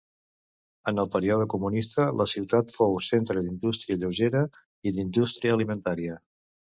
En el període comunista la ciutat fou centre d'indústria lleugera i d'indústria alimentaria.